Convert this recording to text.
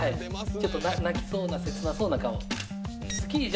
ちょっと泣きそうな切なそうな顔。